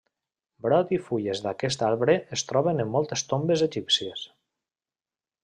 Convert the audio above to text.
Brot i fulles d'aquest arbre es troben en moltes tombes egípcies.